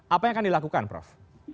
apa yang akan dilakukan prof